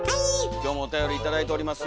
今日もおたより頂いておりますよ。